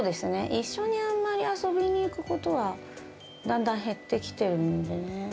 一緒にあんまり遊びに行くことは、だんだん減ってきてるんでね。